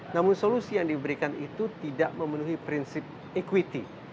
namun solusi yang diberikan itu tidak memenuhi prinsip equity